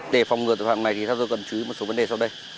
để phòng ngừa tài khoản này thì ta cần chú ý một số vấn đề sau đây